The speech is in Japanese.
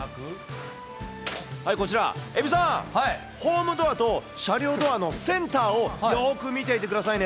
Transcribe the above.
はい、こちら、えびさん、ホームドアと車両ドアのセンターをよーく見ていてくださいね。